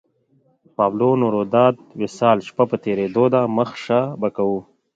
پابلو نوروداد وصال شپه په تېرېدو ده مخه شه به کوو